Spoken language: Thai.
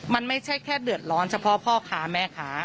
มันไม่ใช่แค่เดือดร้อนเฉพาะพ่อค้าแม่ค้า